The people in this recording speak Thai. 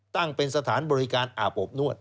ตั้งเป็นสถานบริการอาบอบนวด